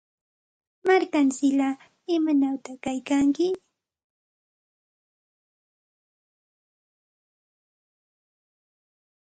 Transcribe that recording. Markamsillaa, ¿imanawta kaykanki?